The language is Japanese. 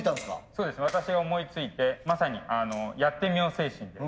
そうです私が思いついてまさにやってみよう精神で。